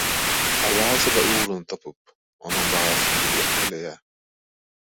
Alaýsa-da ugruny tapyp, onuň bahasyny töleýär.